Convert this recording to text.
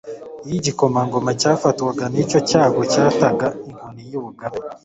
Iyo igikomangoma cyafatwaga n'icyo cyago, cyataga inkoni y'ubugabe,